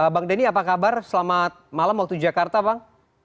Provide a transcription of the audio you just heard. bang denny apa kabar selamat malam waktu jakarta bang